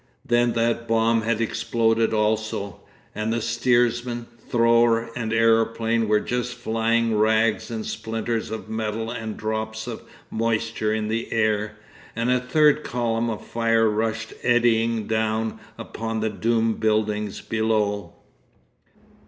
Then that bomb had exploded also, and steersman, thrower, and aeroplane were just flying rags and splinters of metal and drops of moisture in the air, and a third column of fire rushed eddying down upon the doomed buildings below....